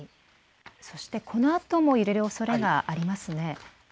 このあとも揺れるおそれがありますね。